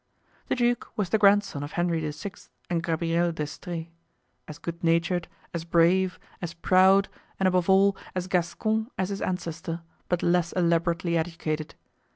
The duke was the grandson of Henry IV. and Gabrielle d'Estrees—as good natured, as brave, as proud, and above all, as Gascon as his ancestor, but less elaborately educated.